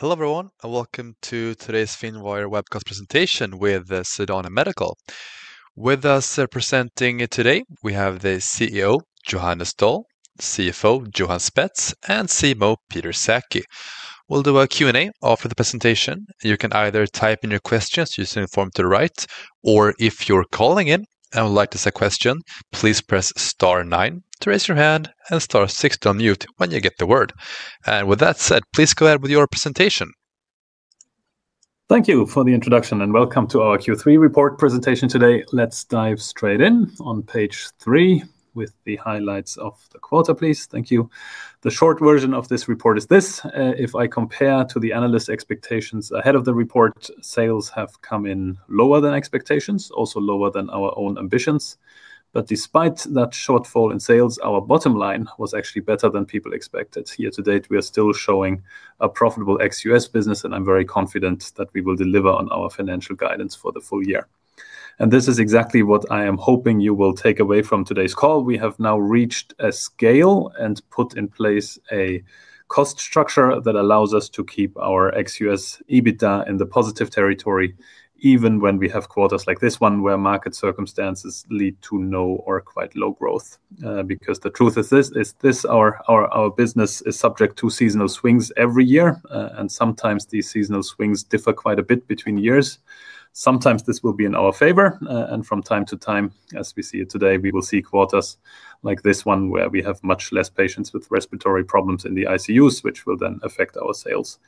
Hello, everyone, and welcome to today's Finwire webcast presentation with Sedana Medical. With us presenting today, we have the CEO, Johannes Doll, CFO, Johan Spetz, and CMO, Peter Sackey. We'll do a Q&A after the presentation. You can either type in your questions using the form to the right, or if you're calling in and would like to set a question, please press *9 to raise your hand and *6 to unmute when you get the word. With that said, please go ahead with your presentation. Thank you for the introduction and welcome to our Q3 report presentation today. Let's dive straight in on page three with the highlights of the quarter, please. Thank you. The short version of this report is this. If I compare to the analysts' expectations ahead of the report, sales have come in lower than expectations, also lower than our own ambitions. Despite that shortfall in sales, our bottom line was actually better than people expected. Year to date, we are still showing a profitable ex-U.S. business, and I'm very confident that we will deliver on our financial guidance for the full year. This is exactly what I am hoping you will take away from today's call. We have now reached a scale and put in place a cost structure that allows us to keep our ex-U.S. EBITDA in the positive territory, even when we have quarters like this one where market circumstances lead to no or quite low growth. The truth is this, our business is subject to seasonal swings every year, and sometimes these seasonal swings differ quite a bit between years. Sometimes this will be in our favor, and from time to time, as we see it today, we will see quarters like this one where we have much less patients with respiratory problems in the ICUs, which will then affect our sales.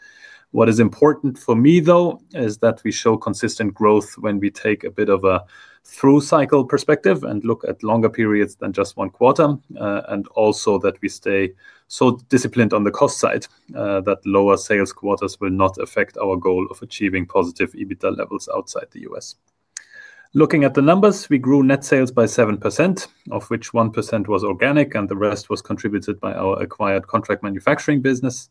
What is important for me, though, is that we show consistent growth when we take a bit of a through cycle perspective and look at longer periods than just one quarter, and also that we stay so disciplined on the cost side that lower sales quarters will not affect our goal of achieving positive EBITDA levels outside the U.S. Looking at the numbers, we grew net sales by 7%, of which 1% was organic, and the rest was contributed by our acquired contract manufacturing business.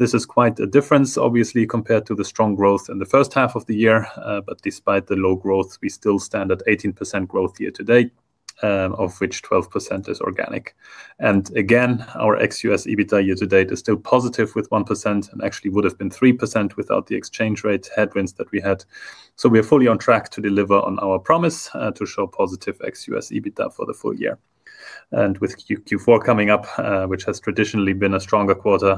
This is quite a difference, obviously, compared to the strong growth in the first half of the year, but despite the low growth, we still stand at 18% growth year to date, of which 12% is organic. Again, our ex-U.S. EBITDA year to date is still positive with 1% and actually would have been 3% without the exchange rate headwinds that we had. We are fully on track to deliver on our promise to show positive ex-U.S. EBITDA for the full year. With Q4 coming up, which has traditionally been a stronger quarter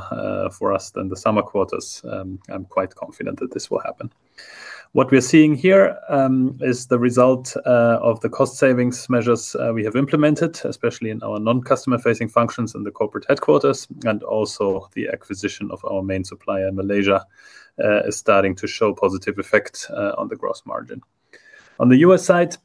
for us than the summer quarters, I'm quite confident that this will happen. What we are seeing here is the result of the cost-saving measures we have implemented, especially in our non-customer-facing functions in the corporate headquarters, and also the acquisition of our main supplier in Malaysia is starting to show positive effects on the gross margin. On the U.S. side,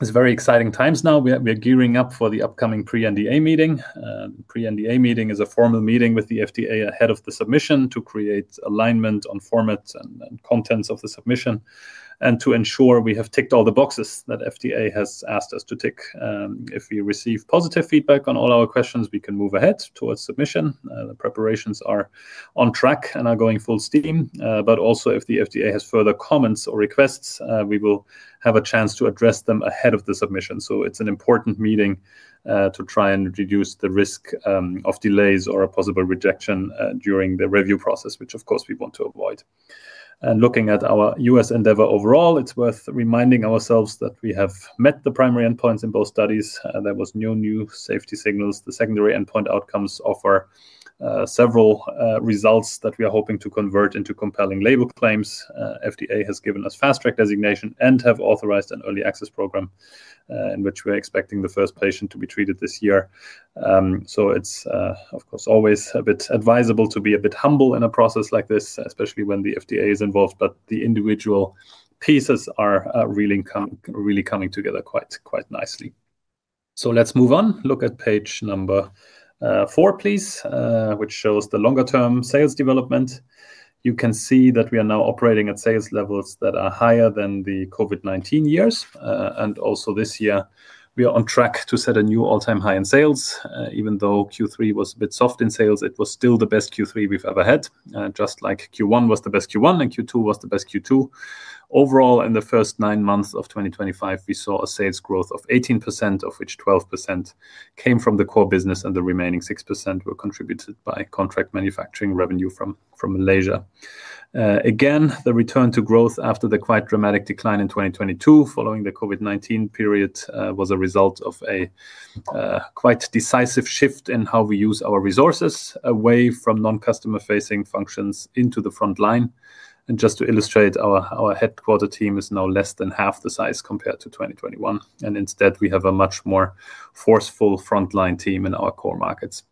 it's very exciting times now. We are gearing up for the upcoming pre-NDA meeting. The pre-NDA meeting is a formal meeting with the FDA ahead of the submission to create alignment on format and contents of the submission and to ensure we have ticked all the boxes that FDA has asked us to tick. If we receive positive feedback on all our questions, we can move ahead towards submission. The preparations are on track and are going full steam, but if the FDA has further comments or requests, we will have a chance to address them ahead of the submission. It is an important meeting to try and reduce the risk of delays or a possible rejection during the review process, which, of course, we want to avoid. Looking at our U.S. endeavor overall, it's worth reminding ourselves that we have met the primary endpoints in both studies. There were no new safety signals. The secondary endpoint outcomes offer several results that we are hoping to convert into compelling label claims. FDA has given us fast track designation and has authorized an early access program in which we are expecting the first patient to be treated this year. It is, of course, always a bit advisable to be a bit humble in a process like this, especially when the FDA is involved, but the individual pieces are really coming together quite nicely. Let's move on. Look at page number four, please, which shows the longer-term sales development. You can see that we are now operating at sales levels that are higher than the COVID-19 years, and also this year, we are on track to set a new all-time high in sales. Even though Q3 was a bit soft in sales, it was still the best Q3 we've ever had, just like Q1 was the best Q1 and Q2 was the best Q2. Overall, in the first nine months of 2025, we saw a sales growth of 18%, of which 12% came from the core business, and the remaining 6% were contributed by contract manufacturing revenue from Malaysia. Again, the return to growth after the quite dramatic decline in 2022 following the COVID-19 period was a result of a quite decisive shift in how we use our resources away from non-customer-facing functions into the front line. Just to illustrate, our headquarter team is now less than half the size compared to 2021, and instead, we have a much more forceful frontline team in our core markets.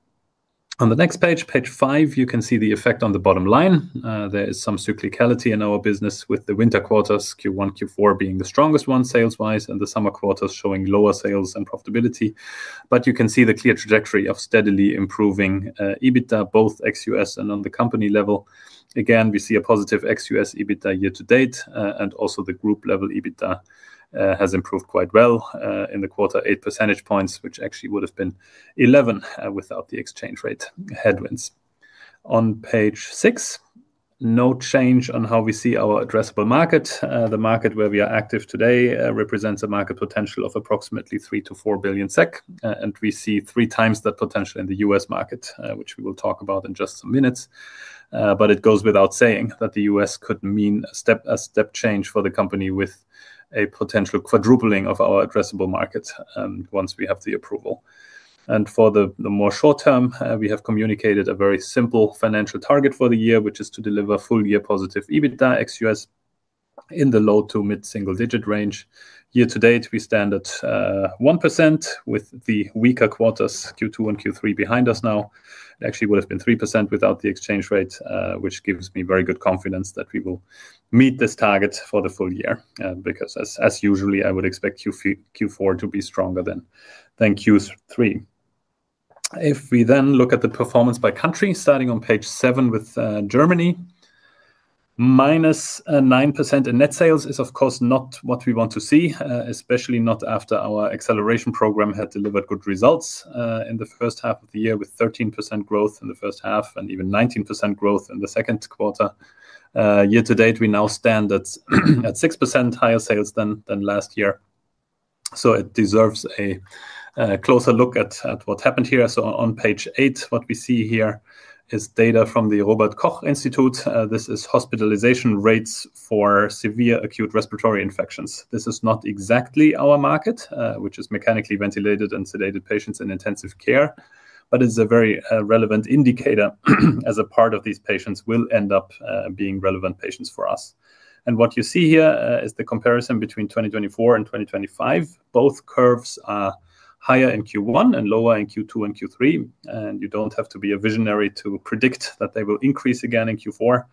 On the next page, page five, you can see the effect on the bottom line. There is some cyclicality in our business with the winter quarters, Q1 and Q4 being the strongest ones sales-wise, and the summer quarters showing lower sales and profitability. You can see the clear trajectory of steadily improving EBITDA, both ex-U.S. and on the company level. Again, we see a positive ex-U.S. EBITDA year to date, and also the group level EBITDA has improved quite well in the quarter, 8 percentage points, which actually would have been 11 without the exchange rate headwinds. On page six, no change on how we see our addressable market. The market where we are active today represents a market potential of approximately 3 billion-4 billion SEK, and we see three times that potential in the U.S. market, which we will talk about in just some minutes. It goes without saying that the U.S. could mean a step-change for the company with a potential quadrupling of our addressable market once we have the approval. For the more short term, we have communicated a very simple financial target for the year, which is to deliver full-year positive EBITDA ex-U.S. in the low to mid-single-digit range. Year to date, we stand at 1% with the weaker quarters, Q2 and Q3, behind us now. It actually would have been 3% without the exchange rate, which gives me very good confidence that we will meet this target for the full year because, as usually, I would expect Q4 to be stronger than Q3. If we then look at the performance by country, starting on page seven with Germany, -9% in net sales is, of course, not what we want to see, especially not after our acceleration program had delivered good results in the first half of the year with 13% growth in the first half and even 19% growth in the second quarter. Year to date, we now stand at 6% higher sales than last year. It deserves a closer look at what happened here. On page eight, what we see here is data from the Robert Koch Institute. This is hospitalization rates for severe acute respiratory infections. This is not exactly our market, which is mechanically ventilated and sedated patients in intensive care, but it's a very relevant indicator as a part of these patients will end up being relevant patients for us. What you see here is the comparison between 2024 and 2025. Both curves are higher in Q1 and lower in Q2 and Q3, and you don't have to be a visionary to predict that they will increase again in Q4.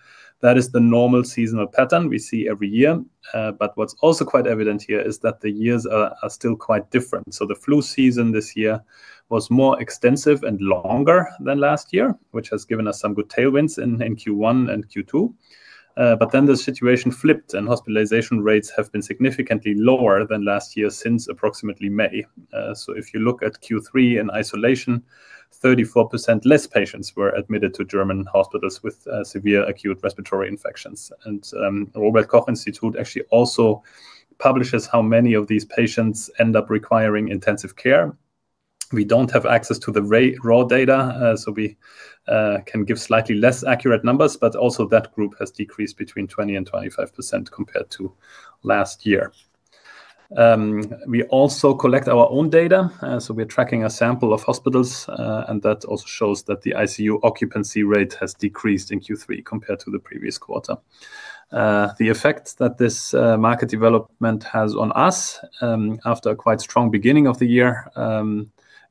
That is the normal seasonal pattern we see every year. What's also quite evident here is that the years are still quite different. The flu season this year was more extensive and longer than last year, which has given us some good tailwinds in Q1 and Q2. The situation flipped, and hospitalization rates have been significantly lower than last year since approximately May. If you look at Q3 in isolation, 34% less patients were admitted to German hospitals with severe acute respiratory infections. The Robert Koch Institute actually also publishes how many of these patients end up requiring intensive care. We don't have access to the raw data, so we can give slightly less accurate numbers, but also that group has decreased between 20% and 25% compared to last year. We also collect our own data. We are tracking a sample of hospitals, and that also shows that the ICU occupancy rate has decreased in Q3 compared to the previous quarter. The effect that this market development has on us after a quite strong beginning of the year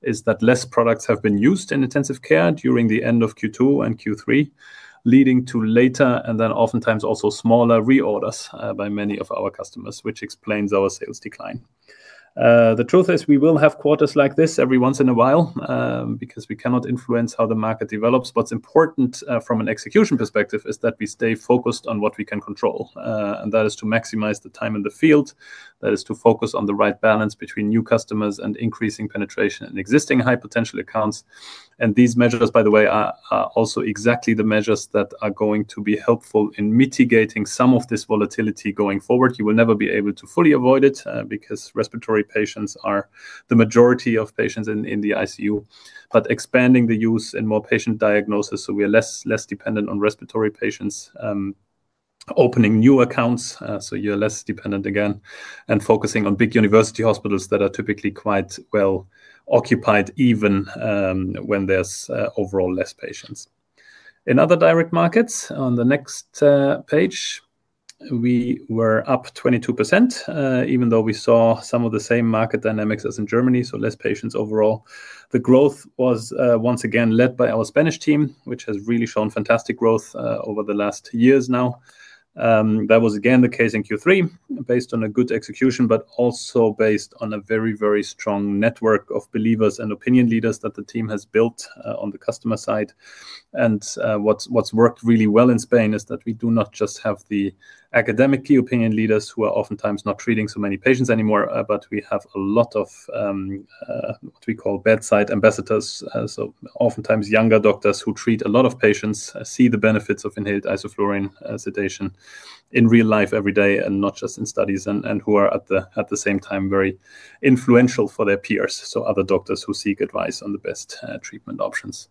is that less products have been used in intensive care during the end of Q2 and Q3, leading to later and then oftentimes also smaller reorders by many of our customers, which explains our sales decline. The truth is we will have quarters like this every once in a while because we cannot influence how the market develops. What's important from an execution perspective is that we stay focused on what we can control, and that is to maximize the time in the field. That is to focus on the right balance between new customers and increasing penetration in existing high-potential accounts. These measures, by the way, are also exactly the measures that are going to be helpful in mitigating some of this volatility going forward. You will never be able to fully avoid it because respiratory patients are the majority of patients in the ICU, but expanding the use in more patient diagnosis so we are less dependent on respiratory patients, opening new accounts so you're less dependent again, and focusing on big university hospitals that are typically quite well occupied even when there's overall less patients. In other direct markets, on the next page, we were up 22%, even though we saw some of the same market dynamics as in Germany, so less patients overall. The growth was once again led by our Spanish team, which has really shown fantastic growth over the last years now. That was again the case in Q3 based on a good execution, but also based on a very, very strong network of believers and key opinion leaders that the team has built on the customer side. What's worked really well in Spain is that we do not just have the academic key opinion leaders who are oftentimes not treating so many patients anymore, but we have a lot of what we call bedside ambassadors, oftentimes younger doctors who treat a lot of patients, see the benefits of inhaled isoflurane sedation in real life every day and not just in studies, and who are at the same time very influential for their peers, other doctors who seek advice on the best treatment options.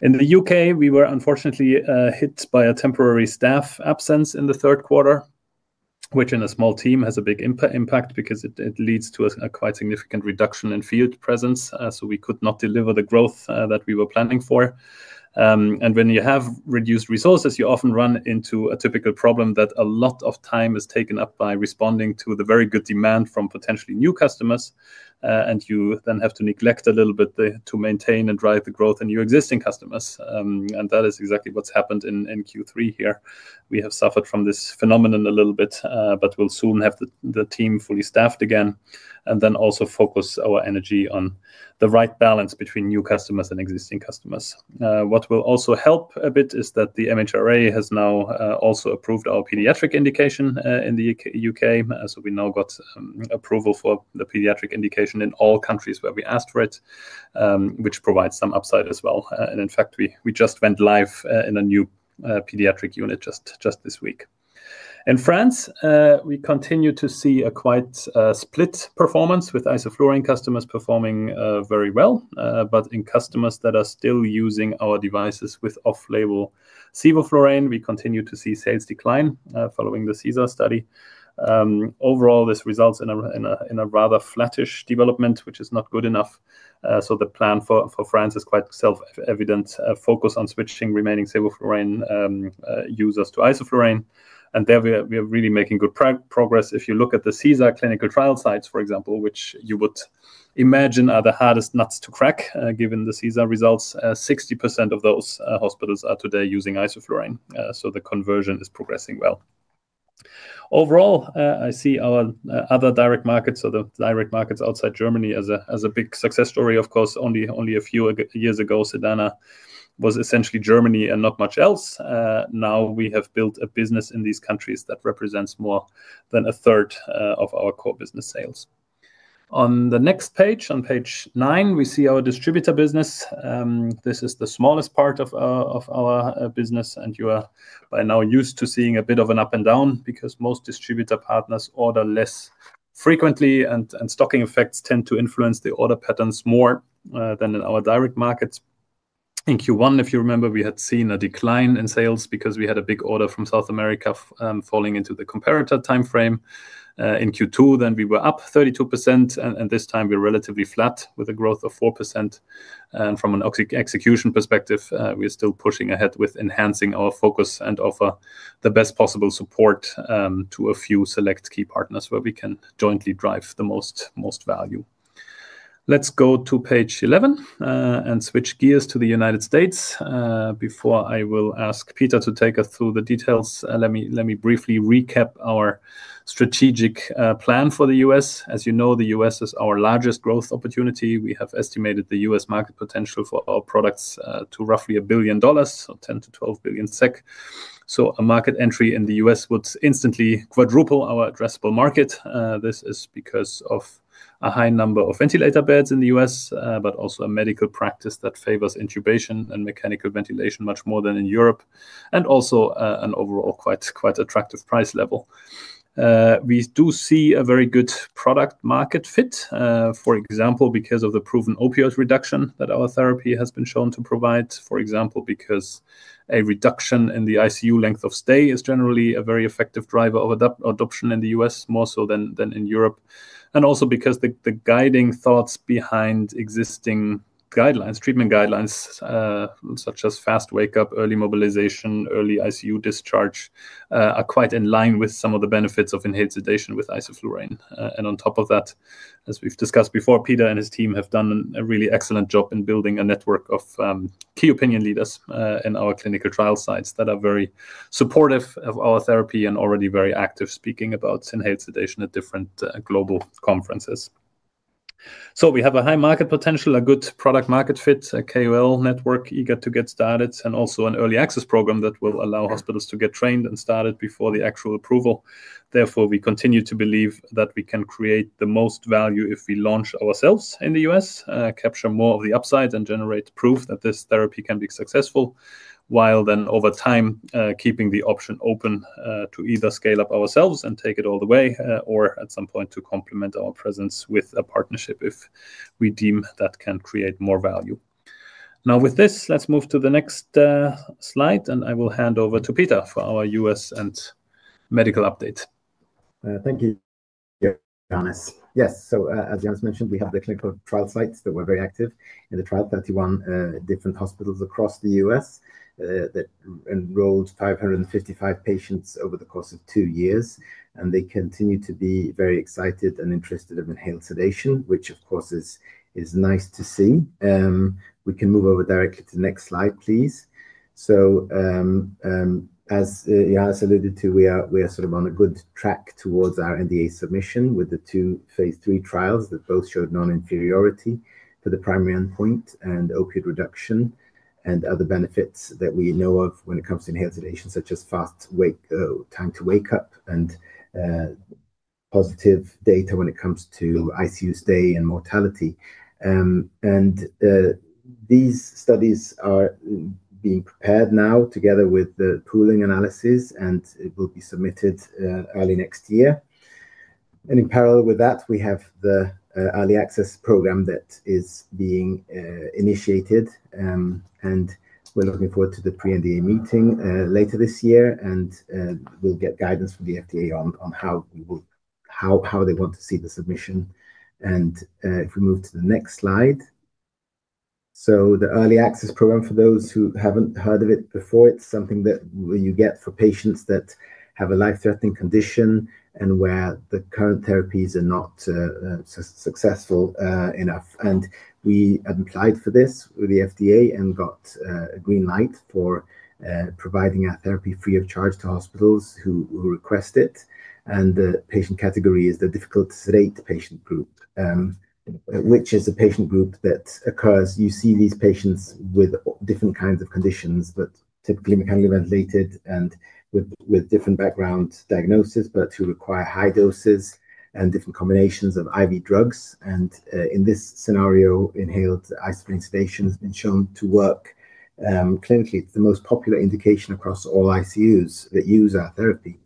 In the UK, we were unfortunately hit by a temporary staff absence in the third quarter, which in a small team has a big impact because it leads to a quite significant reduction in field presence, so we could not deliver the growth that we were planning for. When you have reduced resources, you often run into a typical problem that a lot of time is taken up by responding to the very good demand from potentially new customers, and you then have to neglect a little bit to maintain and drive the growth in your existing customers. That is exactly what's happened in Q3 here. We have suffered from this phenomenon a little bit, but we'll soon have the team fully staffed again and then also focus our energy on the right balance between new customers and existing customers. What will also help a bit is that the MHRA has now also approved our pediatric indication in the UK, so we now got approval for the pediatric indication in all countries where we asked for it, which provides some upside as well. In fact, we just went live in a new pediatric unit just this week. In France, we continue to see a quite split performance with isoflurane customers performing very well, but in customers that are still using our devices with off-label sevoflurane, we continue to see sales decline following the CESAR study. Overall, this results in a rather flattish development, which is not good enough. The plan for France is quite self-evident, focus on switching remaining sevoflurane users to isoflurane. We are really making good progress. If you look at the CESAR clinical trial sites, for example, which you would imagine are the hardest nuts to crack given the CESAR results, 60% of those hospitals are today using isoflurane, so the conversion is progressing well. Overall, I see our other direct markets, so the direct markets outside Germany, as a big success story. Only a few years ago, Sedana was essentially Germany and not much else. Now we have built a business in these countries that represents more than a third of our core business sales. On the next page, on page nine, we see our distributor business. This is the smallest part of our business, and you are by now used to seeing a bit of an up and down because most distributor partners order less frequently, and stocking effects tend to influence the order patterns more than in our direct markets. In Q1, if you remember, we had seen a decline in sales because we had a big order from South America falling into the comparator timeframe. In Q2, we were up 32%, and this time we're relatively flat with a growth of 4%. From an execution perspective, we're still pushing ahead with enhancing our focus and offer the best possible support to a few select key partners where we can jointly drive the most value. Let's go to page 11 and switch gears to the United States. Before I ask Peter to take us through the details, let me briefly recap our strategic plan for the U.S. As you know, the U.S. is our largest growth opportunity. We have estimated the U.S. market potential for our products to roughly $1 billion, so 10 billion-12 billion SEK. A market entry in the U.S. would instantly quadruple our addressable market. This is because of a high number of ventilator beds in the U.S., but also a medical practice that favors intubation and mechanical ventilation much more than in Europe, and also an overall quite attractive price level. We do see a very good product-market fit, for example, because of the proven opioid reduction that our therapy has been shown to provide, because a reduction in the ICU length of stay is generally a very effective driver of adoption in the U.S., more so than in Europe, and also because the guiding thoughts behind existing treatment guidelines, such as fast wake-up, early mobilization, early ICU discharge, are quite in line with some of the benefits of inhaled sedation with isoflurane. On top of that, as we've discussed before, Peter and his team have done a really excellent job in building a network of key opinion leaders in our clinical trial sites that are very supportive of our therapy and already very active speaking about inhaled sedation at different global conferences. We have a high market potential, a good product-market fit, a KOL network eager to get started, and also an early access program that will allow hospitals to get trained and started before the actual approval. Therefore, we continue to believe that we can create the most value if we launch ourselves in the U.S., capture more of the upside, and generate proof that this therapy can be successful, while then over time keeping the option open to either scale up ourselves and take it all the way, or at some point to complement our presence with a partnership if we deem that can create more value. With this, let's move to the next slide, and I will hand over to Peter for our U.S. and medical update. Thank you, Johannes. Yes, as Johannes mentioned, we have the clinical trial sites that were very active in the trial, 31 different hospitals across the U.S. that enrolled 555 patients over the course of two years, and they continue to be very excited and interested in inhaled sedation, which of course is nice to see. We can move over directly to the next slide, please. As Johannes alluded to, we are sort of on a good track towards our NDA submission with the two phase III trials that both showed non-inferiority for the primary endpoint and opioid reduction and other benefits that we know of when it comes to inhaled sedation, such as fast time to wake up and positive data when it comes to ICU stay and mortality. These studies are being prepared now together with the pooling analysis, and it will be submitted early next year. In parallel with that, we have the early access program that is being initiated, and we're looking forward to the pre-NDA meeting later this year, and we'll get guidance from the FDA on how they want to see the submission. If we move to the next slide. The early access program, for those who haven't heard of it before, is something that you get for patients that have a life-threatening condition and where the current therapies are not successful enough. We applied for this with the FDA and got a green light for providing our therapy free of charge to hospitals who request it. The patient category is the difficult-to-sedate patient group, which is a patient group that occurs. You see these patients with different kinds of conditions, but typically mechanically ventilated and with different background diagnoses, but who require high doses and different combinations of IV drugs. In this scenario, inhaled isoflurane sedation has been shown to work clinically. It's the most popular indication across all ICUs that use our therapy.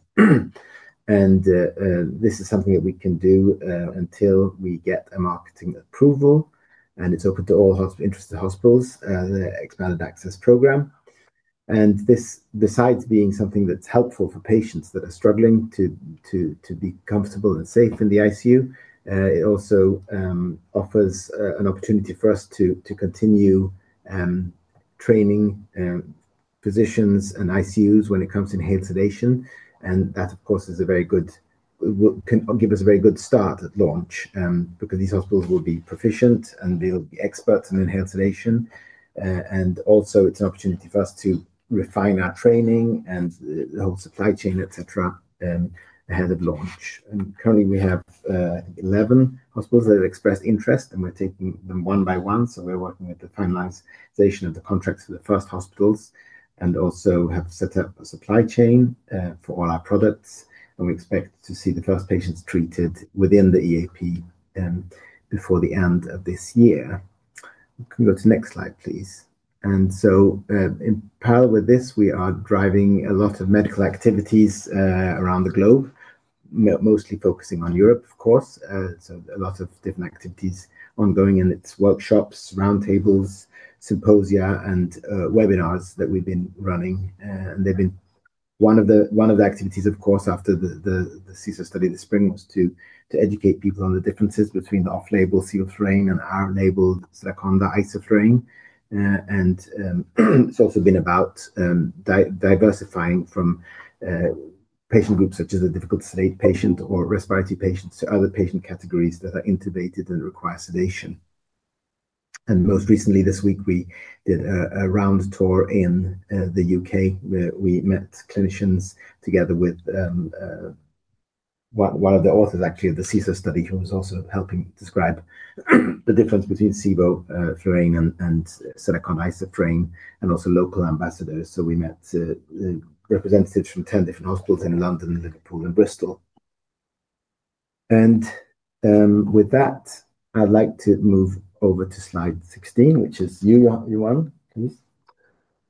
This is something that we can do until we get a marketing approval, and it's open to all interested hospitals, the expanded access program. This, besides being something that's helpful for patients that are struggling to be comfortable and safe in the ICU, also offers an opportunity for us to continue training physicians and ICUs when it comes to inhaled sedation. That, of course, can give us a very good start at launch because these hospitals will be proficient and they'll be experts in inhaled sedation. It is also an opportunity for us to refine our training and the whole supply chain, et cetera, ahead of launch. Currently, we have, I think, 11 hospitals that have expressed interest, and we're taking them one by one. We are working with the finalization of the contracts for the first hospitals and also have set up a supply chain for all our products. We expect to see the first patients treated within the EAP before the end of this year. Can we go to the next slide, please? In parallel with this, we are driving a lot of medical activities around the globe, mostly focusing on Europe, of course. A lot of different activities are ongoing, including workshops, roundtables, symposia, and webinars that we've been running. One of the activities after the CESAR study this spring was to educate people on the differences between the off-label sevoflurane and our label Sedaconda (Isoflurane). It has also been about diversifying from patient groups such as the difficult-to-sedate patient or respiratory patients to other patient categories that are intubated and require sedation. Most recently, this week, we did a round tour in the UK where we met clinicians together with one of the authors of the CESAR study, who was also helping describe the difference between sevoflurane and Sedaconda (Isoflurane), and also local ambassadors. We met the representatives from 10 different hospitals in London, Liverpool, and Bristol. With that, I'd like to move over to slide 16, which is you, Johan, please.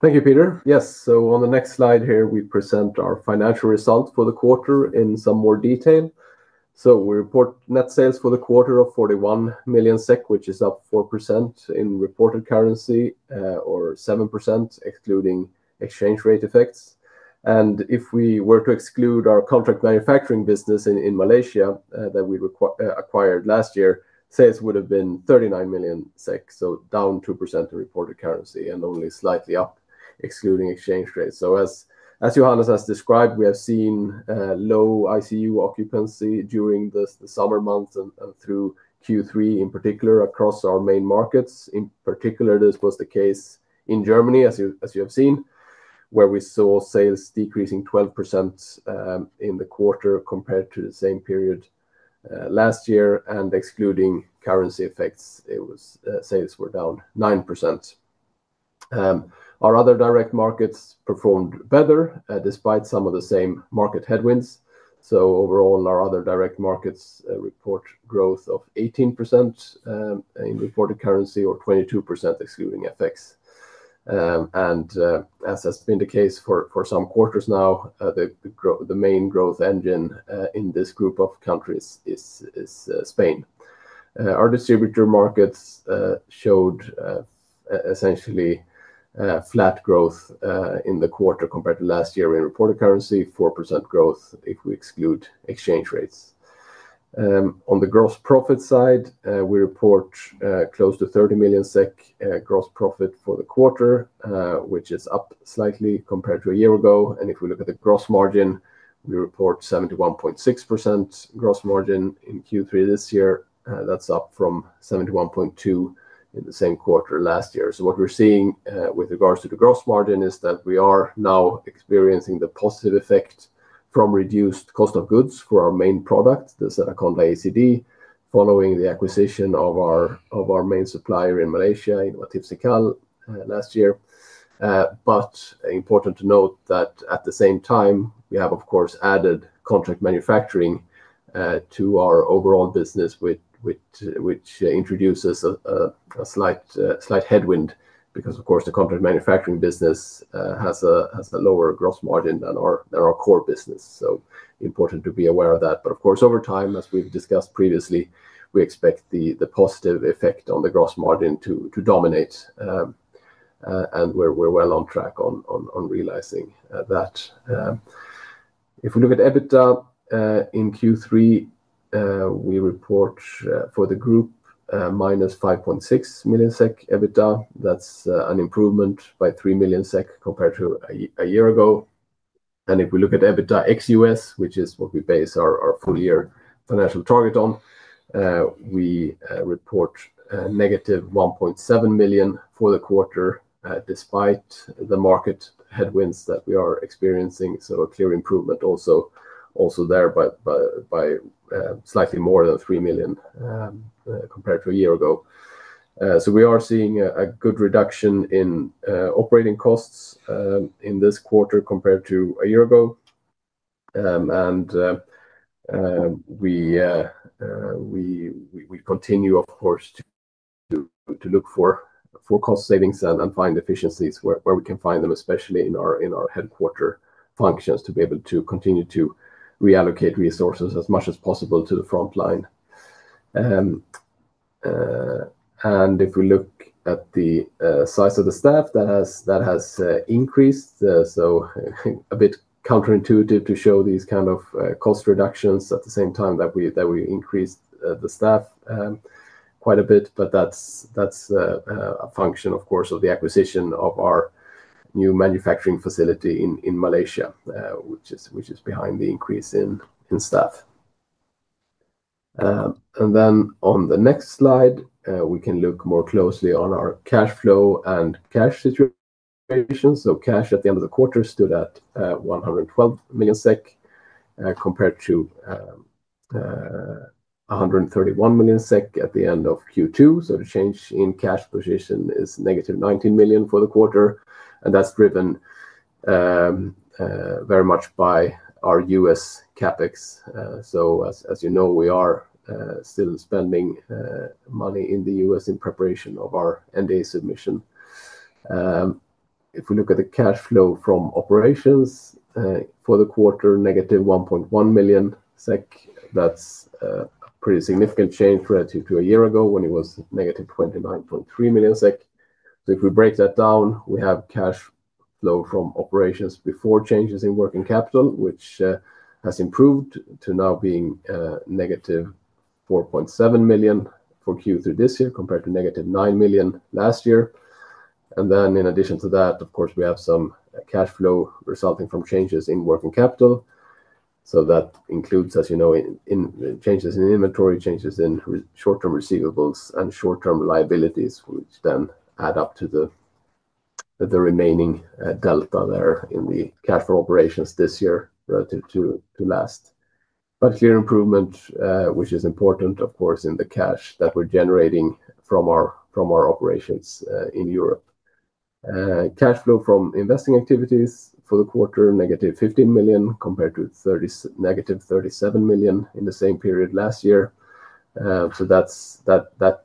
Thank you, Peter. Yes. On the next slide here, we present our financial results for the quarter in some more detail. We report net sales for the quarter of 41 million SEK, which is up 4% in reported currency or 7% excluding exchange rate effects. If we were to exclude our contract manufacturing business in Malaysia that we acquired last year, sales would have been 39 million SEK, so down 2% in reported currency and only slightly up excluding exchange rates. As Johannes has described, we have seen low ICU occupancy during the summer months and through Q3, in particular, across our main markets. In particular, this was the case in Germany, as you have seen, where we saw sales decreasing 12% in the quarter compared to the same period last year. Excluding currency effects, sales were down 9%. Our other direct markets performed better despite some of the same market headwinds. Overall, our other direct markets report growth of 18% in reported currency or 22% excluding effects. As has been the case for some quarters now, the main growth engine in this group of countries is Spain. Our distributor markets showed essentially flat growth in the quarter compared to last year in reported currency, 4% growth if we exclude exchange rates. On the gross profit side, we report close to 30 million SEK gross profit for the quarter, which is up slightly compared to a year ago. If we look at the gross margin, we report 71.6% gross margin in Q3 this year. That's up from 71.2% in the same quarter last year. What we're seeing with regards to the gross margin is that we are now experiencing the positive effect from reduced cost of goods for our main product, the Sedaconda ACD, following the acquisition of our main supplier in Malaysia, Innovatif Cekal, last year. It is important to note that at the same time, we have, of course, added contract manufacturing to our overall business, which introduces a slight headwind because the contract manufacturing business has a lower gross margin than our core business. It is important to be aware of that. Over time, as we've discussed previously, we expect the positive effect on the gross margin to dominate. We're well on track on realizing that. If we look at EBITDA in Q3, we report for the group minus 5.6 million SEK EBITDA. That's an improvement by 3 million SEK compared to a year ago. If we look at EBITDA ex-U.S., which is what we base our full-year financial target on, we report negative 1.7 million for the quarter despite the market headwinds that we are experiencing. A clear improvement also there by slightly more than 3 million compared to a year ago. We are seeing a good reduction in operating costs in this quarter compared to a year ago. We continue, of course, to look for cost savings and find efficiencies where we can find them, especially in our headquarter functions, to be able to continue to reallocate resources as much as possible to the front line. If we look at the size of the staff, that has increased. It is a bit counterintuitive to show these kind of cost reductions at the same time that we increased the staff quite a bit, but that's a function, of course, of the acquisition of our new manufacturing facility in Malaysia, which is behind the increase in staff. On the next slide, we can look more closely at our cash flow and cash situation. Cash at the end of the quarter stood at 112 million SEK compared to 131 million SEK at the end of Q2. The change in cash position is negative 19 million for the quarter, and that's driven very much by our U.S. CapEx. As you know, we are still spending money in the U.S. in preparation of our NDA submission. If we look at the cash flow from operations for the quarter, negative 1.1 million SEK, that's a pretty significant change relative to a year ago when it was negative 29.3 million SEK. If we break that down, we have cash flow from operations before changes in working capital, which has improved to now being negative 4.7 million for Q3 this year compared to negative 9 million last year. In addition to that, of course, we have some cash flow resulting from changes in working capital. That includes, as you know, changes in inventory, changes in short-term receivables, and short-term liabilities, which then add up to the remaining delta there in the cash flow operations this year relative to last. Clear improvement, which is important, of course, in the cash that we're generating from our operations in Europe. Cash flow from investing activities for the quarter, negative 15 million compared to negative 37 million in the same period last year. That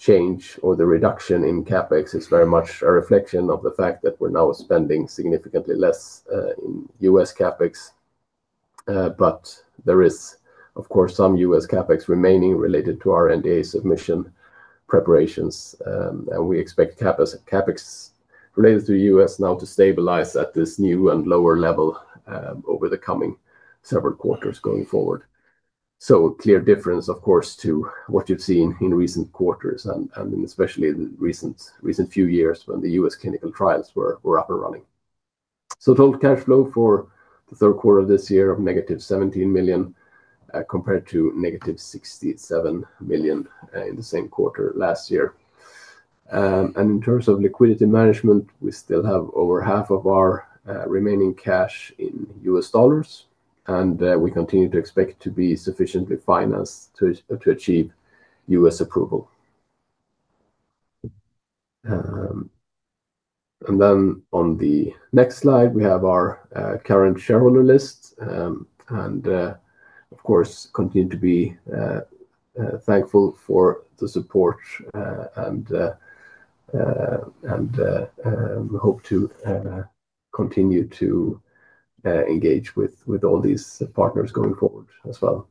change or the reduction in CapEx is very much a reflection of the fact that we're now spending significantly less in U.S. CapEx. There is, of course, some U.S. CapEx remaining related to our NDA submission preparations. We expect CapEx related to the U.S. now to stabilize at this new and lower level over the coming several quarters going forward. This is a clear difference, of course, to what you've seen in recent quarters and especially the recent few years when the U.S. clinical trials were up and running. Total cash flow for the third quarter of this year was negative 17 million compared to negative 67 million in the same quarter last year. In terms of liquidity management, we still have over half of our remaining cash in U.S. dollars, and we continue to expect to be sufficiently financed to achieve U.S. approval. On the next slide, we have our current shareholder list. We continue to be thankful for the support and hope to continue to engage with all these partners going forward as well.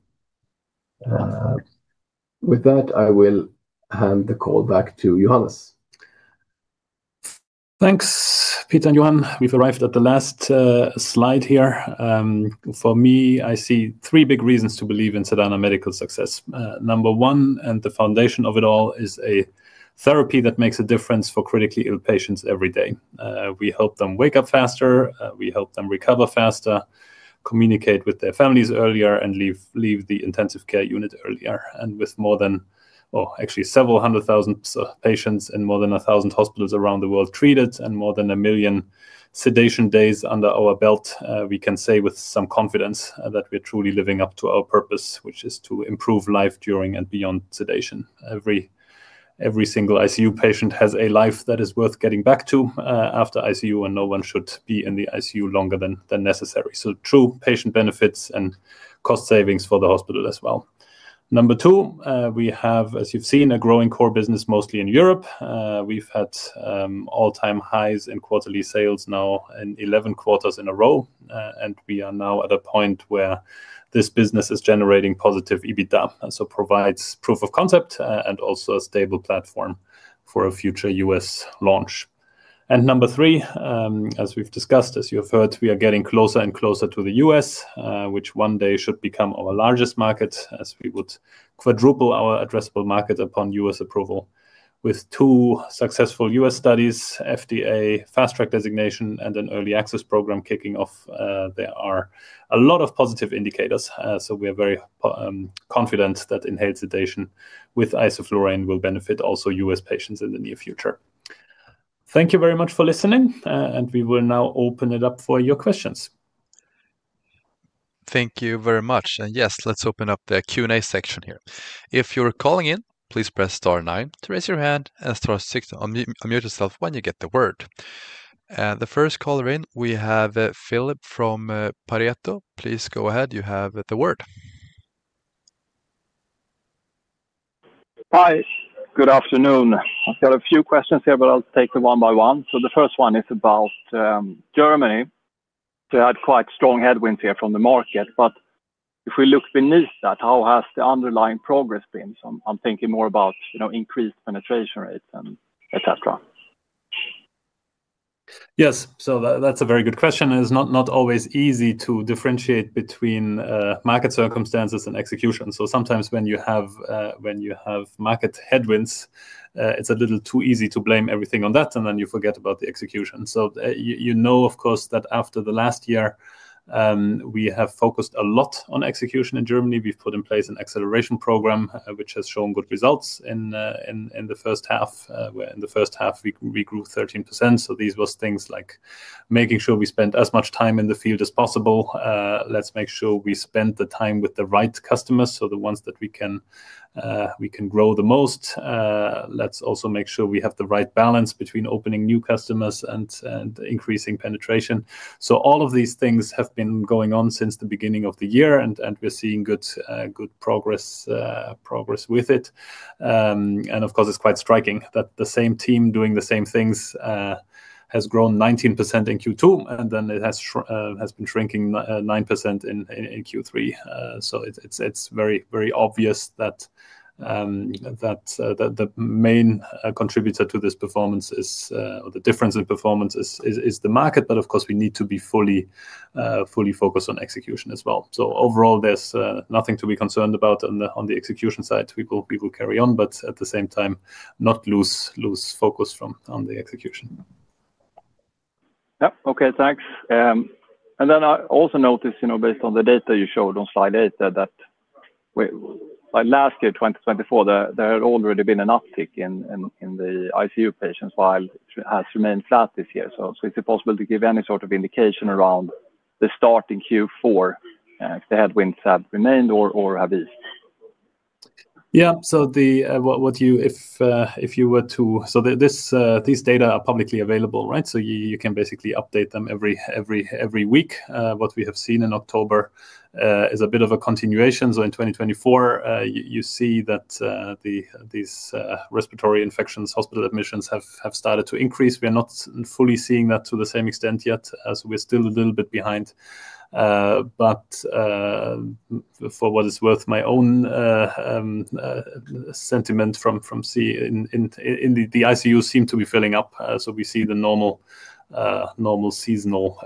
With that, I will hand the call back to Johannes. Thanks, Peter and Johan. We've arrived at the last slide here. For me, I see three big reasons to believe in Sedana Medical's success. Number one, and the foundation of it all, is a therapy that makes a difference for critically ill patients every day. We help them wake up faster. We help them recover faster, communicate with their families earlier, and leave the intensive care unit earlier. With more than, actually several hundred thousand patients in more than a thousand hospitals around the world treated and more than a million sedation days under our belt, we can say with some confidence that we're truly living up to our purpose, which is to improve life during and beyond sedation. Every single ICU patient has a life that is worth getting back to after ICU, and no one should be in the ICU longer than necessary. True patient benefits and cost savings for the hospital as well. Number two, we have, as you've seen, a growing core business, mostly in Europe. We've had all-time highs in quarterly sales now in 11 quarters in a row, and we are now at a point where this business is generating positive EBITDA. It provides proof of concept and also a stable platform for a future U.S. launch. Number three, as we've discussed, as you have heard, we are getting closer and closer to the U.S., which one day should become our largest market as we would quadruple our addressable market upon U.S. approval. With two successful U.S. studies, FDA fast track designation, and an early access program kicking off, there are a lot of positive indicators. We are very confident that inhaled sedation with isoflurane will benefit also U.S. patients in the near future. Thank you very much for listening, and we will now open it up for your questions. Thank you very much. Yes, let's open up the Q&A section here. If you're calling in, please press *9 to raise your hand and *6 to unmute yourself when you get the word. The first caller in, we have Filip from Pareto. Please go ahead. You have the word. Hi. Good afternoon. I've got a few questions here, but I'll take them one by one. The first one is about Germany. We had quite strong headwinds here from the market. If we look beneath that, how has the underlying progress been? I'm thinking more about increased penetration rates, et cetera. Yes. That's a very good question. It's not always easy to differentiate between market circumstances and execution. Sometimes when you have market headwinds, it's a little too easy to blame everything on that, and then you forget about the execution. You know, of course, that after last year, we have focused a lot on execution in Germany. We've put in place an acceleration program, which has shown good results in the first half, where in the first half, we grew 13%. These were things like making sure we spent as much time in the field as possible. Let's make sure we spend the time with the right customers, so the ones that we can grow the most. Let's also make sure we have the right balance between opening new customers and increasing penetration. All of these things have been going on since the beginning of the year, and we're seeing good progress with it. It's quite striking that the same team doing the same things has grown 19% in Q2, and then it has been shrinking 9% in Q3. It's very, very obvious that the main contributor to this performance is, or the difference in performance is, the market. Of course, we need to be fully focused on execution as well. Overall, there's nothing to be concerned about on the execution side. We will carry on, but at the same time, not lose focus on the execution. Okay. Thanks. I also noticed, you know, based on the data you showed on slide eight, that by last year, 2024, there had already been an uptick in the ICU patients, while it has remained flat this year. Is it possible to give any sort of indication around the start in Q4 if the headwinds have remained or have eased? These data are publicly available, right? You can basically update them every week. What we have seen in October is a bit of a continuation. In 2024, you see that these respiratory infections, hospital admissions have started to increase. We are not fully seeing that to the same extent yet. We're still a little bit behind. For what it's worth, my own sentiment from the ICU seemed to be filling up. We see the normal seasonal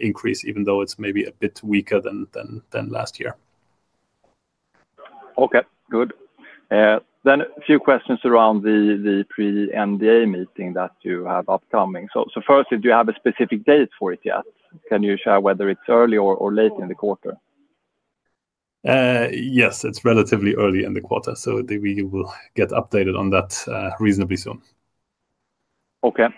increase, even though it's maybe a bit weaker than last year. Okay. Good. A few questions around the pre-NDA meeting that you have upcoming. Firstly, do you have a specific date for it yet? Can you share whether it's early or late in the quarter? Yes, it's relatively early in the quarter. We will get updated on that reasonably soon. Okay.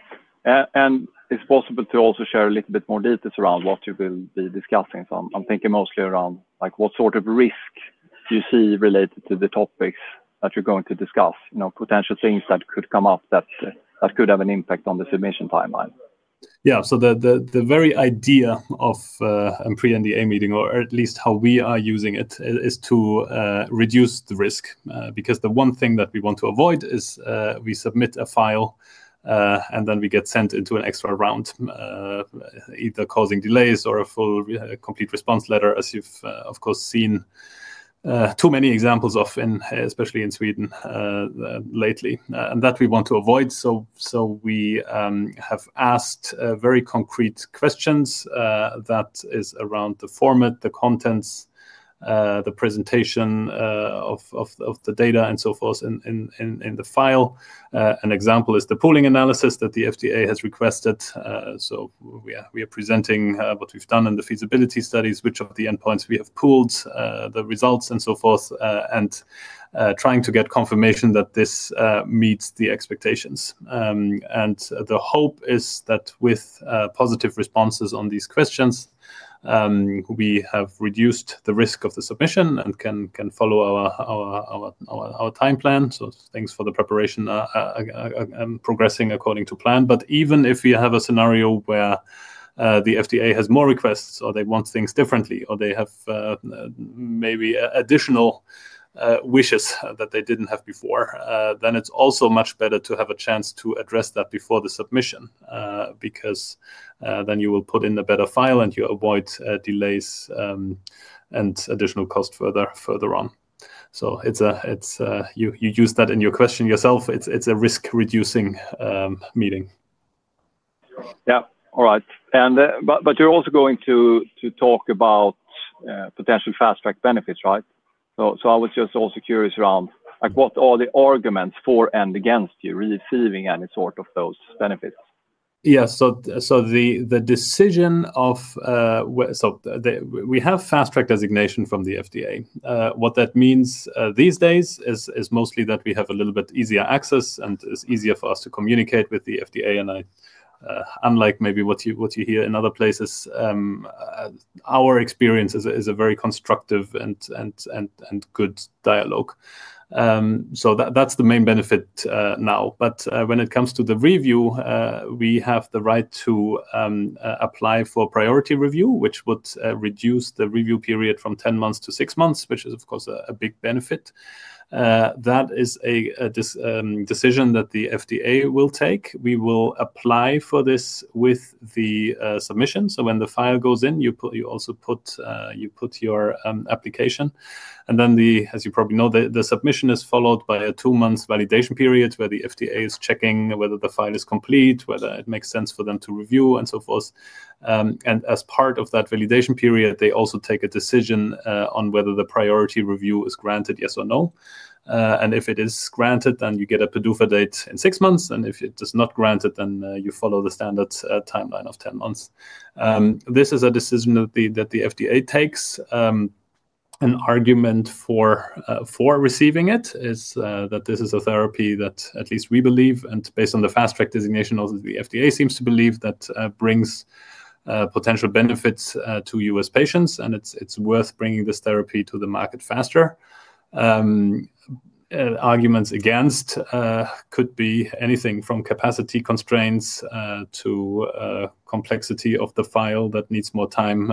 Is it possible to also share a little bit more details around what you will be discussing? I'm thinking mostly around what sort of risk you see related to the topics that you're going to discuss, potential things that could come up that could have an impact on the submission timeline? Yeah. The very idea of a pre-NDA meeting, or at least how we are using it, is to reduce the risk because the one thing that we want to avoid is we submit a file and then we get sent into an extra round, either causing delays or a full complete response letter, as you've, of course, seen too many examples of, especially in Sweden lately, and that we want to avoid. We have asked very concrete questions that are around the format, the contents, the presentation of the data, and so forth in the file. An example is the pooling analysis that the FDA has requested. We are presenting what we've done in the feasibility studies, which of the endpoints we have pooled, the results, and so forth, and trying to get confirmation that this meets the expectations. The hope is that with positive responses on these questions, we have reduced the risk of the submission and can follow our time plan. Thanks for the preparation and progressing according to plan. Even if we have a scenario where the FDA has more requests or they want things differently or they have maybe additional wishes that they didn't have before, it's also much better to have a chance to address that before the submission because then you will put in a better file and you avoid delays and additional costs further on. You used that in your question yourself. It's a risk-reducing meeting. All right. You're also going to talk about potential fast track benefits, right? I was just also curious around what are the arguments for and against you receiving any sort of those benefits? Yeah. The decision of, so we have fast track designation from the FDA. What that means these days is mostly that we have a little bit easier access and it's easier for us to communicate with the FDA. Unlike maybe what you hear in other places, our experience is a very constructive and good dialogue. That's the main benefit now. When it comes to the review, we have the right to apply for a priority review, which would reduce the review period from 10 months to 6 months, which is, of course, a big benefit. That is a decision that the FDA will take. We will apply for this with the submission. When the file goes in, you also put your application. As you probably know, the submission is followed by a two-month validation period where the FDA is checking whether the file is complete, whether it makes sense for them to review, and so forth. As part of that validation period, they also take a decision on whether the priority review is granted, yes or no. If it is granted, then you get a PDUFA date in 6 months. If it is not granted, then you follow the standard timeline of 10 months. This is a decision that the FDA takes. An argument for receiving it is that this is a therapy that at least we believe, and based on the fast track designation the FDA seems to believe, that it brings potential benefits to U.S. patients, and it's worth bringing this therapy to the market faster. Arguments against could be anything from capacity constraints to the complexity of the file that needs more time.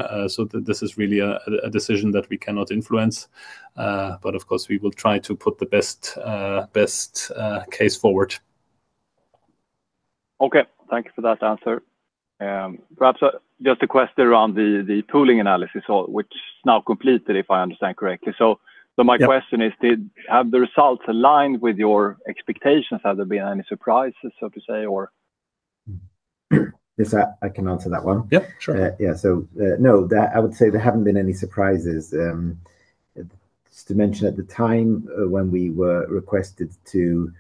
This is really a decision that we cannot influence. Of course, we will try to put the best case forward. Okay. Thank you for that answer. Perhaps just a question around the pooling analysis, which is now completed, if I understand correctly. My question is, have the results aligned with your expectations? Have there been any surprises, so to say? Yes, I can answer that one. Yeah, sure. Yeah. No, I would say there haven't been any surprises. Just to mention, at the time when we were requested to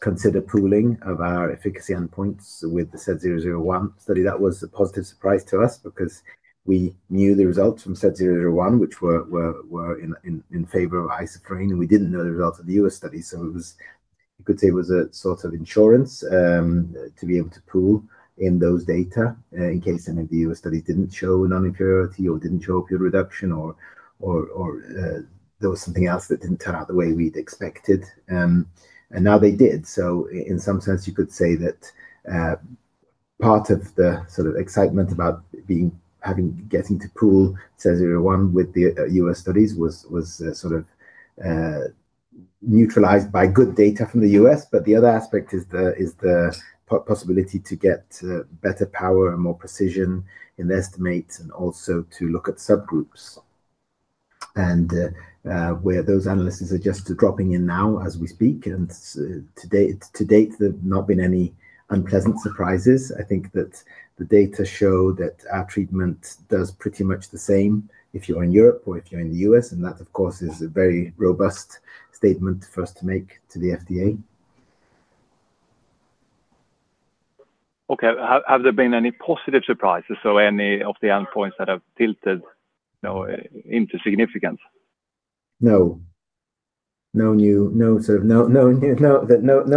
consider pooling of our efficacy endpoints with the SED001 study, that was a positive surprise to us because we knew the results from SED001, which were in favor of isoflurane, and we didn't know the results of the U.S. study. You could say it was a sort of insurance to be able to pool in those data in case any of the U.S. studies didn't show non-inferiority or didn't show a pure reduction, or there was something else that didn't turn out the way we'd expected. Now they did. In some sense, you could say that part of the sort of excitement about getting to pool SED001 with the U.S. studies was sort of neutralized by good data from the U.S. The other aspect is the possibility to get better power and more precision in the estimates and also to look at subgroups, and those analyses are just dropping in now as we speak. To date, there have not been any unpleasant surprises. I think that the data show that our treatment does pretty much the same if you're in Europe or if you're in the U.S., and that, of course, is a very robust statement for us to make to the FDA. Okay. Have there been any positive surprises? Any of the endpoints that have tilted into significance? No. No new, no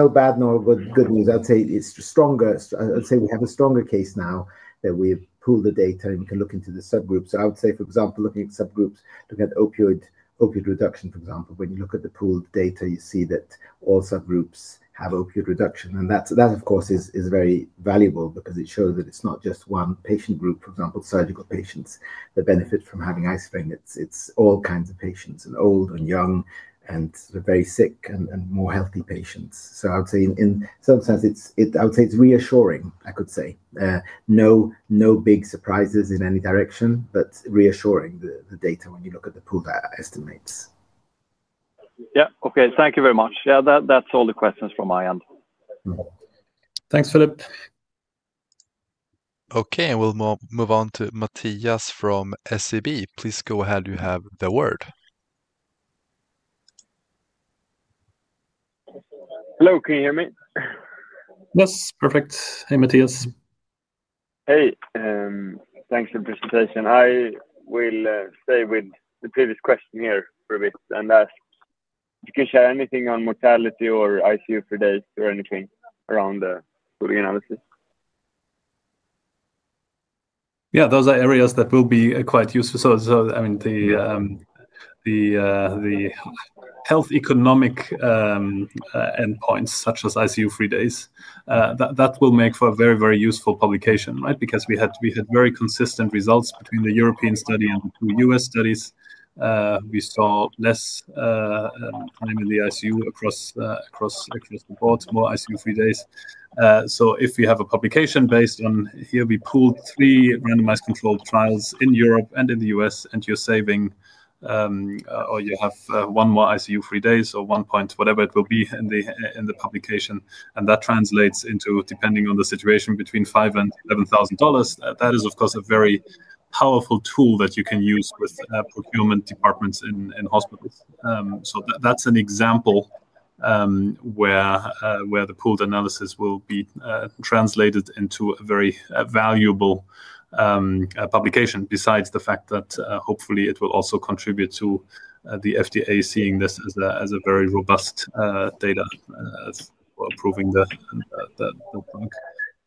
bad nor good news. I'd say it's stronger. I'd say we have a stronger case now that we've pooled the data and we can look into the subgroups. I would say, for example, looking at subgroups, looking at opioid reduction, for example, when you look at the pooled data, you see that all subgroups have opioid reduction. That, of course, is very valuable because it shows that it's not just one patient group, for example, surgical patients that benefit from having isoflurane. It's all kinds of patients, old and young, and very sick and more healthy patients. I would say in some sense, I would say it's reassuring, I could say. No big surprises in any direction, but reassuring the data when you look at the pooled estimates. Okay. Thank you very much. That's all the questions from my end. Thanks, Philip. Okay. We will move on to Mattias from SEB. Please go ahead. You have the word. Hello, can you hear me? Yes. Perfect. Hey, Mattias. Hey, thanks for the presentation. I will stay with the previous question here for a bit and ask if you can share anything on mortality or ICU-free days or anything around the pooling analysis. Yeah. Those are areas that will be quite useful. I mean, the health economic endpoints, such as ICU-free days, that will make for a very, very useful publication, right? Because we had very consistent results between the European study and the two U.S. studies. We saw less time in the ICU across the board, more ICU for days. If we have a publication based on, "Here we pooled three randomized controlled trials in Europe and in the U.S.," and you're saving, or you have one more ICU for days or one point, whatever it will be in the publication, and that translates into, depending on the situation, between $5,000 and $11,000. That is, of course, a very powerful tool that you can use with procurement departments in hospitals. That's an example where the pooled analysis will be translated into a very valuable publication, besides the fact that hopefully it will also contribute to the FDA seeing this as very robust data for proving the point.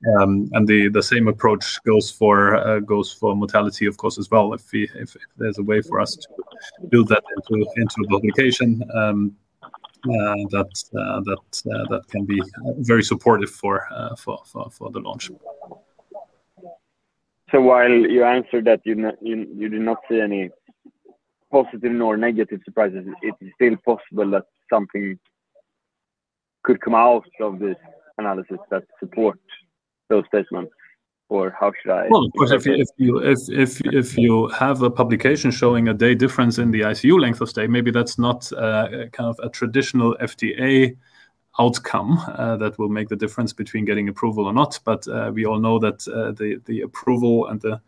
The same approach goes for mortality, of course, as well. If there's a way for us to build that into a publication, that can be very supportive for the launch. While you answered that you do not see any positive nor negative surprises, it is still possible that something could come out of this analysis that supports those statements, or how should I? If you have a publication showing a day difference in the ICU length of stay, maybe that's not kind of a traditional FDA outcome that will make the difference between getting approval or not. We all know that the approval and the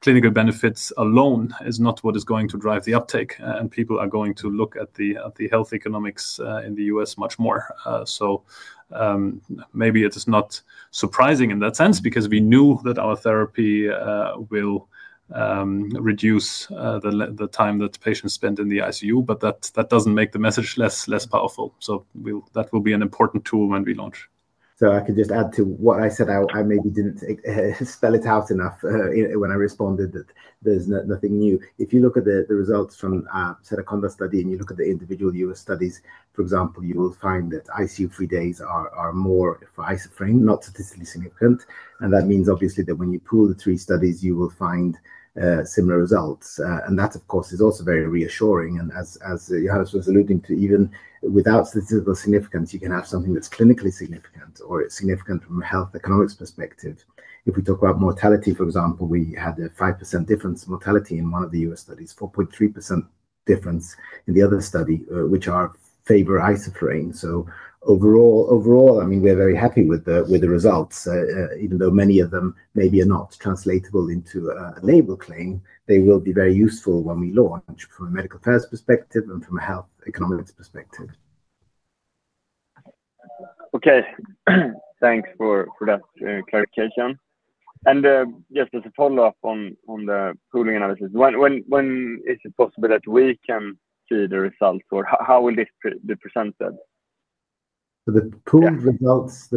clinical benefits alone is not what is going to drive the uptake. People are going to look at the health economics in the U.S. much more. Maybe it is not surprising in that sense because we knew that our therapy will reduce the time that patients spend in the ICU, but that doesn't make the message less powerful. That will be an important tool when we launch. I can just add to what I said. I maybe didn't spell it out enough when I responded that there's nothing new. If you look at the results from the Sedaconda study and you look at the individual U.S. studies, for example, you will find that ICU-free days are more for isoflurane, not statistically significant. That means obviously that when you pool the three studies, you will find similar results. That, of course, is also very reassuring. As Johannes was alluding to, even without statistical significance, you can have something that's clinically significant or significant from a health economics perspective. If we talk about mortality, for example, we had a 5% difference in mortality in one of the U.S. studies, 4.3% difference in the other study, which favor isoflurane. Overall, I mean, we're very happy with the results. Even though many of them maybe are not translatable into a label claim, they will be very useful when we launch from a medical affairs perspective and from a health economics perspective. Okay. Thanks for that clarification. As a follow-up on the pooling analysis, when is it possible that we can see the results, or how will this be presented? The pooled results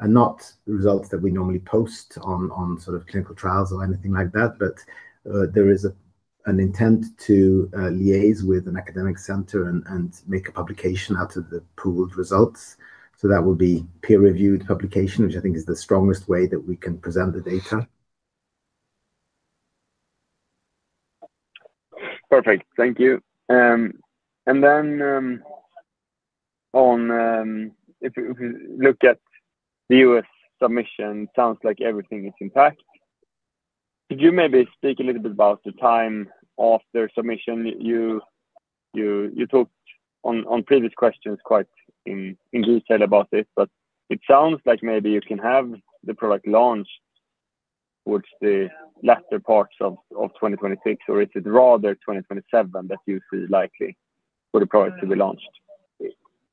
are not results that we normally post on clinical trials or anything like that, but there is an intent to liaise with an academic center and make a publication out of the pooled results. That will be a peer-reviewed publication, which I think is the strongest way that we can present the data. Perfect. Thank you. If we look at the U.S. submission, it sounds like everything is intact. Could you maybe speak a little bit about the time after submission? You talked on previous questions quite in detail about this, but it sounds like maybe you can have the product launched towards the latter parts of 2026, or is it rather 2027 that you see likely for the product to be launched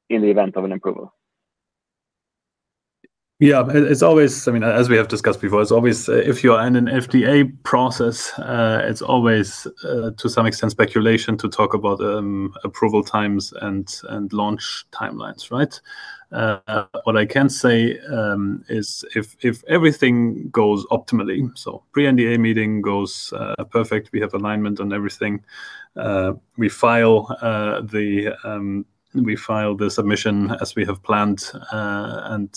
in the event of an approval? Yeah. It's always, I mean, as we have discussed before, it's always if you are in an FDA process, it's always, to some extent, speculation to talk about approval times and launch timelines, right? What I can say is if everything goes optimally, so pre-NDA meeting goes perfect, we have alignment on everything, we file the submission as we have planned, and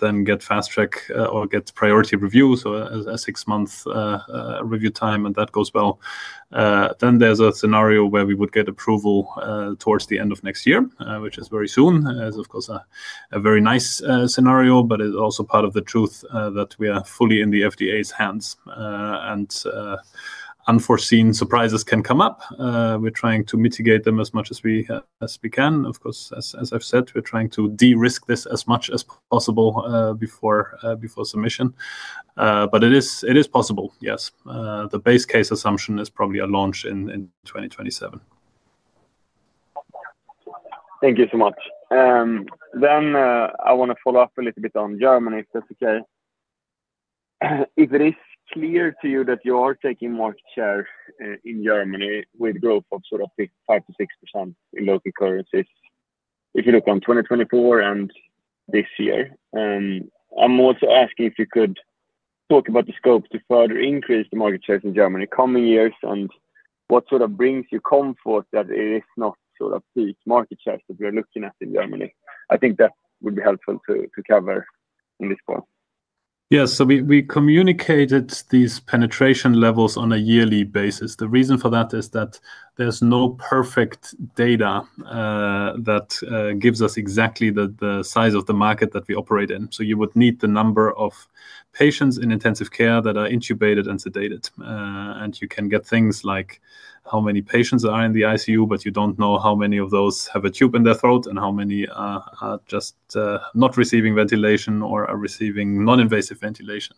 then get fast track or get priority reviews, so a six-month review time, and that goes well, then there's a scenario where we would get approval towards the end of next year, which is very soon. It's, of course, a very nice scenario, but it's also part of the truth that we are fully in the FDA's hands, and unforeseen surprises can come up. We're trying to mitigate them as much as we can. Of course, as I've said, we're trying to de-risk this as much as possible before submission. It is possible, yes. The base case assumption is probably a launch in 2027. Thank you so much. I want to follow up a little bit on Germany, if that's okay. If it is clear to you that you are taking market share in Germany with growth of sort of 5% to 6% in local currencies, if you look on 2024 and this year, I'm also asking if you could talk about the scope to further increase the market shares in Germany coming years, and what sort of brings you comfort that it is not sort of peak market shares that we are looking at in Germany? I think that would be helpful to cover in this point. Yes. We communicated these penetration levels on a yearly basis. The reason for that is that there's no perfect data that gives us exactly the size of the market that we operate in. You would need the number of patients in intensive care that are intubated and sedated. You can get things like how many patients are in the ICU, but you don't know how many of those have a tube in their throat and how many are just not receiving ventilation or are receiving non-invasive ventilation.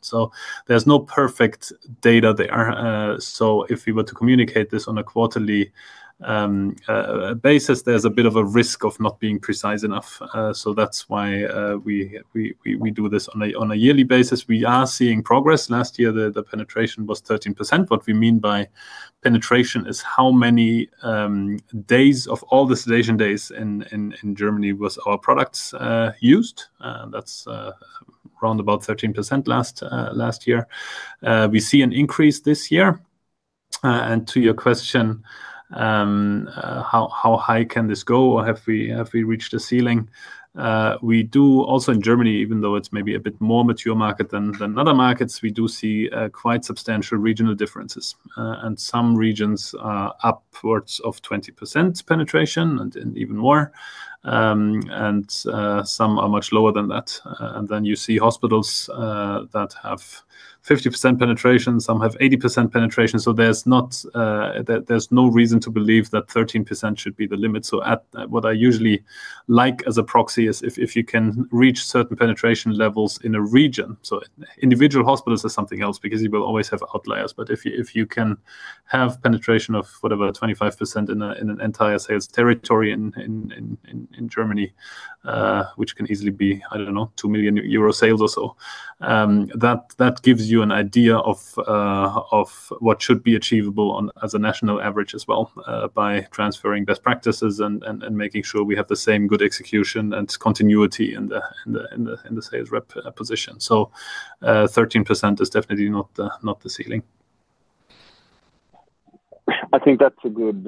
There's no perfect data there. If we were to communicate this on a quarterly basis, there's a bit of a risk of not being precise enough. That's why we do this on a yearly basis. We are seeing progress. Last year, the penetration was 13%. What we mean by penetration is how many days of all the sedation days in Germany were our products used. That's around 13% last year. We see an increase this year. To your question, how high can this go, or have we reached a ceiling? We do also in Germany, even though it's maybe a bit more mature market than other markets, see quite substantial regional differences. Some regions are upwards of 20% penetration and even more, and some are much lower than that. You see hospitals that have 50% penetration, some have 80% penetration. There's no reason to believe that 13% should be the limit. What I usually like as a proxy is if you can reach certain penetration levels in a region. Individual hospitals are something else because you will always have outliers. If you can have penetration of, whatever, 25% in an entire sales territory in Germany, which can easily be, I don't know, 2 million euro sales or so, that gives you an idea of what should be achievable as a national average as well by transferring best practices and making sure we have the same good execution and continuity in the sales rep position. 13% is definitely not the ceiling. I think that's a good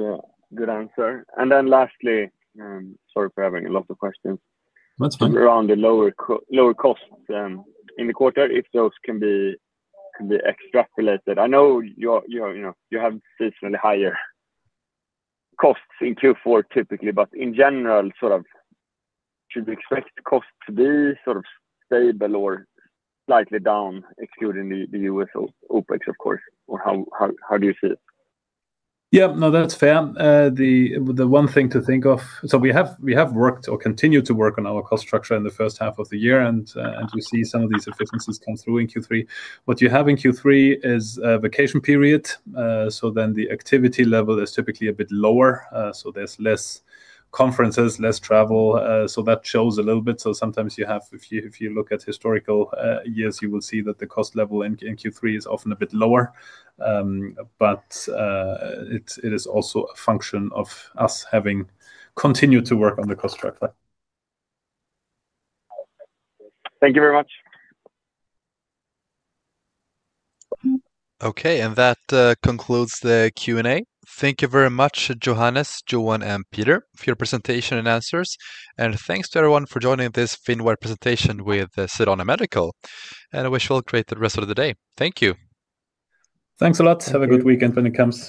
answer. Lastly, sorry for having a lot of questions. That's fine. Around the lower costs in the quarter, if those can be extrapolated. I know you have reasonably higher costs in Q4 typically, but in general, should we expect costs to be sort of stable or slightly down, excluding the U.S. OpEx, of course? How do you see it? Yeah. No, that's fair. The one thing to think of, we have worked or continued to work on our cost structure in the first half of the year, and you see some of these efficiencies come through in Q3. What you have in Q3 is a vacation period. The activity level is typically a bit lower. There's less conferences, less travel. That shows a little bit. If you look at historical years, you will see that the cost level in Q3 is often a bit lower. It is also a function of us having continued to work on the cost structure. Thank you very much. Okay. That concludes the Q&A. Thank you very much, Johannes, Johan, and Peter, for your presentation and answers. Thank you to everyone for joining this Finwire presentation with Sedana Medical. I wish you all a great rest of the day. Thank you. Thanks a lot. Have a good weekend, and thanks.